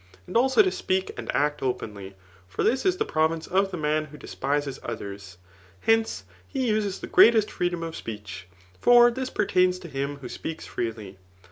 And ^alao io qieak and act opeofy ; for das is the proTince of the man wha despises others. Hence he uses the greatest freedom of ^ech ; for this pertains tt> hikn who spcakB freely.